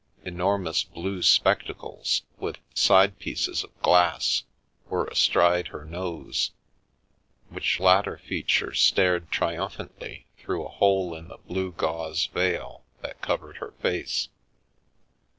Enormous blue spectacles, with side pieces of glass, were astride her nose, which latter feature stared triumphantly through a hole in the blue gauze veil that covered her face.